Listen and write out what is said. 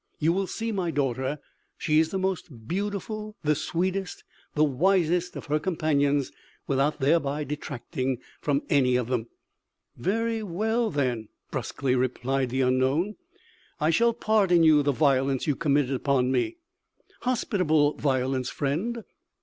You will see my daughter. She is the most beautiful, the sweetest, the wisest of her companions, without thereby detracting from any of them." "Very well, then," brusquely replied the unknown, "I shall pardon you the violence you committed upon me." "Hospitable violence, friend."